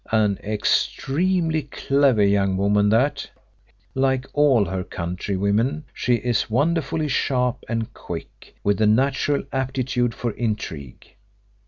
An extremely clever young woman that like all her countrywomen she is wonderfully sharp and quick, with a natural aptitude for intrigue.